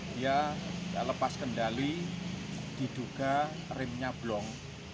dia lepas kendali diduga remnya blong